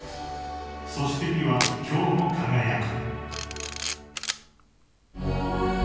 ［そして美は今日も輝く］